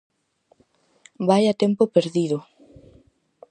-Vaia tempo perdido!